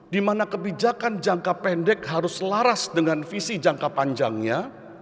di mana kebijakan jangka pendek harus laras dengan visi jangka panjangnya